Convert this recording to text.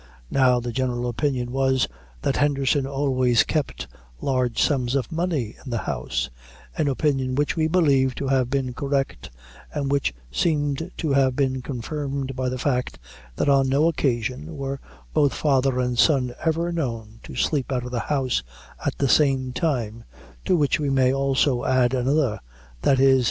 Now, the general opinion was, that Henderson always kept large sums of money in the house an opinion which we believe to have been correct, and which seemed to have been confirmed by the fact, that on no occasion were both father and son ever known to sleep out of the house at the same time, to which we may also add another viz.